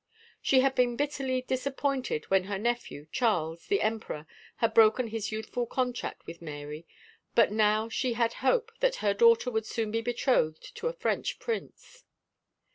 She had been bitterly . disappointed when her nephew, Charles, the Emperor, had broken his youthful contract with Mary, but now she had hope that her daughter would soon be betrothed to a French prince.